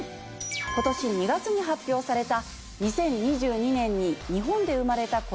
今年２月に発表された。